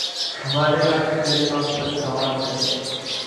ہمارے اشک تری عاقبت سنوار چلے